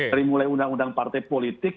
dari mulai undang undang partai politik